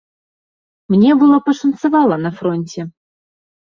Мне было пашанцавала на фронце.